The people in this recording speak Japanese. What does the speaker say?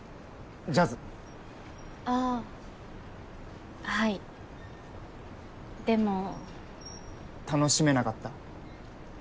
ジャズああはいでも楽しめなかった？